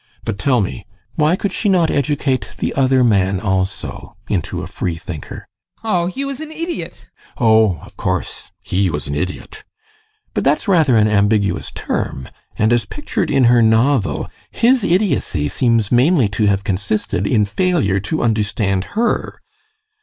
But tell me: why could she not educate the other man also into a free thinker? ADOLPH. Oh, he was an idiot! GUSTAV. Oh, of course he was an idiot! But that's rather an ambiguous term, and, as pictured in her novel, his idiocy seems mainly to have consisted in failure to understand her.